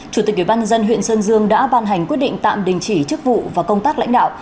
chủ tịch ủy ban nhân dân huyện sơn dương đã ban hành quyết định tạm đình chỉ chức vụ và công tác lãnh đạo